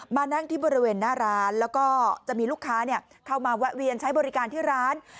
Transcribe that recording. มานั่งที่บริเวณหน้าร้านแล้วก็จะมีลูกค้าเข้ามาแวะเวียนใช้บริการที่ร้าน